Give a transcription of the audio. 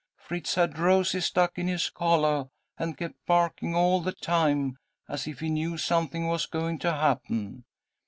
Fritz had roses stuck in his collah, and kept barking all the time as if he knew something was going to happen.